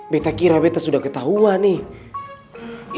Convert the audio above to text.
beta kira beta sudah ketahuan nih